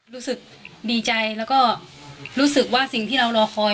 รู้สึกดีใจแล้วก็รู้สึกว่าสิ่งที่เรารอคอย